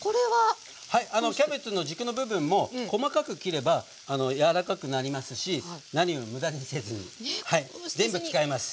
はいキャベツの軸の部分も細かく切れば柔らかくなりますし何より無駄にせずに全部使います。